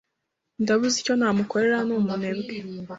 Ndabuze icyo namukorera. Ni umunebwe.